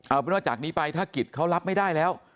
เอาเป็นว่าจากนี้ไปถ้ากิจเขารับไม่ได้แล้ว